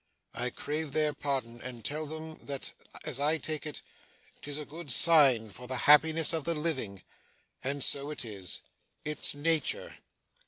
I crave their pardon and tell them that, as I take it, 'tis a good sign for the happiness of the living. And so it is. It's nature.